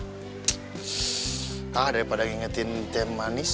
entah daripada ngingetin tem manis